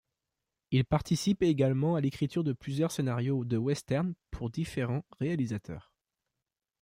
Il participe également à l’écriture de plusieurs scénarios de westerns pour différents réalisateurs.